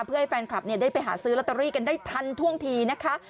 เพื่อให้แฟนคลับได้ไปหาซื้อลอตเตอรี่กันได้ทันท่วงทีนะคะ